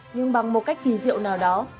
nhưng bằng một cách kỳ diệu nào đó